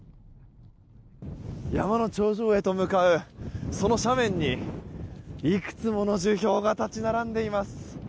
山の頂上へと向かうその斜面にいくつもの樹氷が立ち並んでいます。